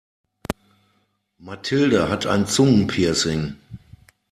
Mathilde hat ein Zungenpiercing.